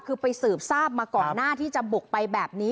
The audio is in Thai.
คือไปสืบทราบมาก่อนหน้าที่จะบุกไปแบบนี้